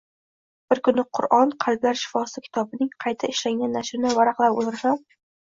Bir kuni “Qur’on – qalblar shifosi” kitobining qayta ishlangan nashrini varaqlab o‘tirsam